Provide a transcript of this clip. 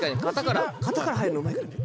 形から入るのうまいからね。